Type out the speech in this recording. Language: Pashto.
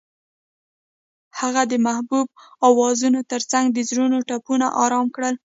هغې د محبوب اوازونو ترڅنګ د زړونو ټپونه آرام کړل.